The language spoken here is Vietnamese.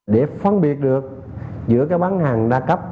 để phân biệt được giữa cái bán hàng đa cấp